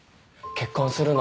結婚するの？